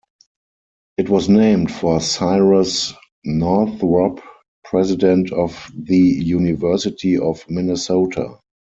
It was named for Cyrus Northrop, president of the University of Minnesota.